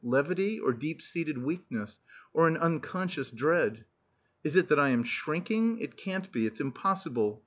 Levity, or deep seated weakness? Or an unconscious dread? "Is it that I am shrinking? It can't be! It's impossible.